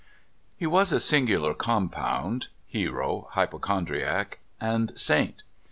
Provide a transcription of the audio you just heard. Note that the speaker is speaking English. HE was a singular compound — hero, hypo chondriac, and saint.